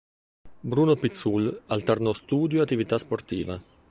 Bruno Pizzul alternò studio e attività sportiva.